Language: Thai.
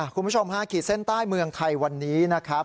คุณผู้ชมฮาขีดเส้นใต้เมืองไทยวันนี้นะครับ